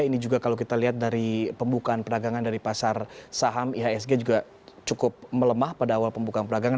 ini juga kalau kita lihat dari pembukaan perdagangan dari pasar saham ihsg juga cukup melemah pada awal pembukaan perdagangan